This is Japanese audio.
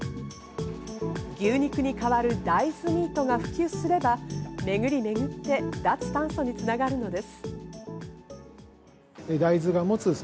牛肉に代わる大豆ミートが普及すれば、めぐりめぐって脱炭素に繋がるのです。